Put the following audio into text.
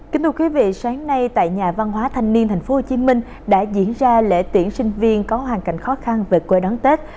kính thưa quý vị sáng nay tại nhà văn hóa thanh niên tp hcm đã diễn ra lễ tiễn sinh viên có hoàn cảnh khó khăn về quê đón tết